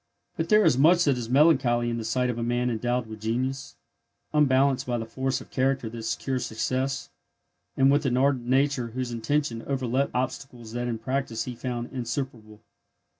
But there is much that is melancholy in the sight of a man endowed with genius, unbalanced by the force of character that secures success, and with an ardent nature whose intention overleapt obstacles that in practice he found insuperable.